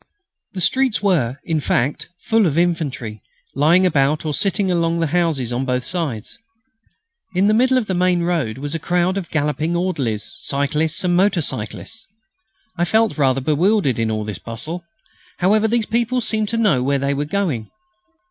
The streets were, in fact, full of infantry, lying about or sitting along the houses on both sides. In the middle of the main road was a crowd of galloping orderlies, cyclists and motor cyclists. I felt rather bewildered in all this bustle. However, these people seemed to know where they were going.